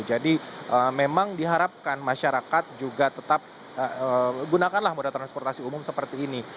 jadi memang diharapkan masyarakat juga tetap gunakanlah moda transportasi umum seperti ini